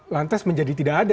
lantas menjadi tidak ada